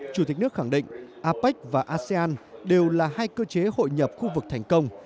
chủ tịch nước khẳng định apec và asean đều là hai cơ chế hội nhập khu vực thành công